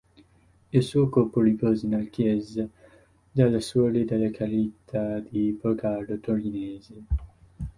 Il suo corpo riposa nella chiesa delle suore della carità di Borgaro Torinese.